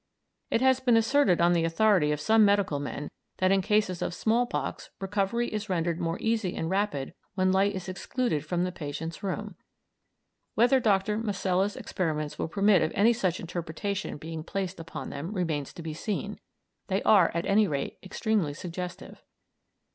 It has been asserted on the authority of some medical men that in cases of small pox recovery is rendered more easy and rapid when light is excluded from the patient's room; whether Dr. Masella's experiments will permit of any such interpretation being placed upon them remains to be seen; they are, at any rate, extremely suggestive.